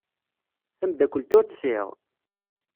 Tamdakelt ur tt-sɛiɣ.